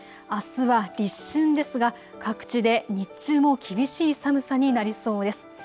あすは立春ですが、各地で日中も厳しい寒さになりそうです。